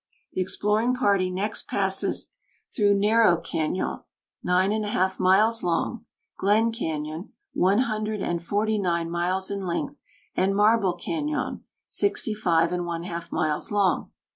The exploring party next passes through Narrow Cañon, nine and a half miles long, Glen Cañon, one hundred and forty nine miles in length; and Marble Cañon, sixty five and one half miles long.